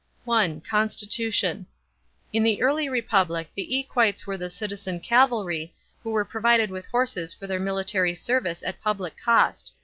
(1) Constitution. In the early Republic the equites were the citizen cavalry, who were provided with horses for their military service at public cost.